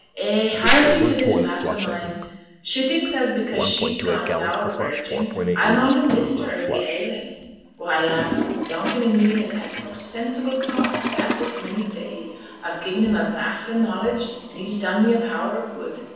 'Eh! harkee till this lass o' mine. She thinks as because she's gone galraverging, I maun ha' missed her and be ailing. Why, lass, Donkin and me has had t' most sensible talk a've had this many a day. A've gi'en him a vast o' knowledge, and he's done me a power o' good.